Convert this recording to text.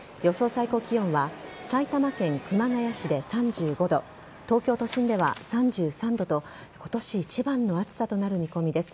最高気温は埼玉県熊谷市で３５度東京都心では３３度と今年一番の暑さとなる見込みです。